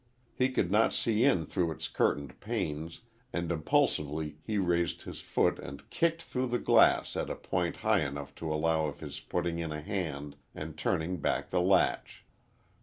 He could not see in through its curtained panes, and impulsively he raised his foot and kicked through the glass at a point high enough to allow of his putting in a hand and turning back the latch.